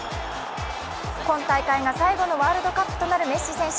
今大会が最後のワールドカップとなるメッシ選手。